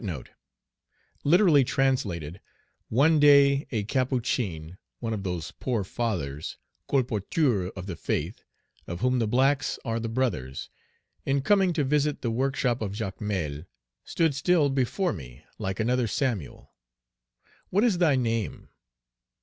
Literally translated: One day, a Capuchin, one of those poor fathers, Colporteurs of the Faith, of whom the blacks are the brothers, In coming to visit the workshop of Jacmel, Stood still before me like another Samuel. "What is thy name?"